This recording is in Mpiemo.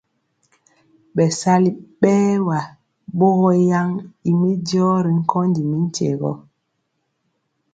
Bɛsali bɛɛr wa bogɔ yan ymi jɔɔ ri nkondi mi tyegɔ.